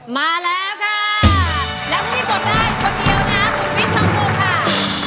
มาแล้วค่ะแล้วที่กดได้คนเดียวนะครับคุณวิทย์สังพุค่ะ